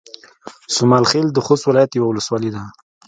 سومال خيل د خوست ولايت يوه ولسوالۍ ده